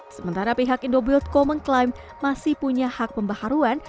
sementara pihak indobuildco mengklaim masih punya hak pembaharuan